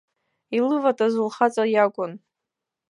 Илыватәаз лхаҵа иакәын.